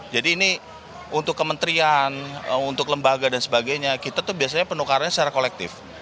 jadi ini untuk kementrian untuk lembaga dan sebagainya kita tuh biasanya penukarannya secara kolektif